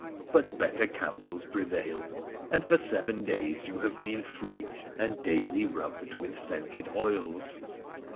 But better counsels prevailed, and for seven days you have been free and daily rubbed with scented oils